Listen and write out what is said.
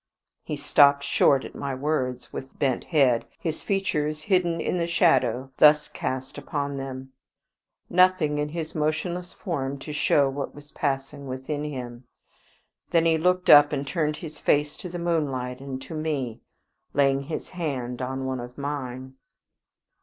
He stopped short at my words, with bent head, his features hidden in the shadow thus cast upon them, nothing in his motionless form to show what was passing within him. Then he looked up, and turned his face to the moonlight and to me, laying his hand on one of mine.